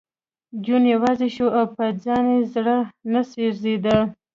جون یوازې شو او په ځان یې زړه نه سېزېده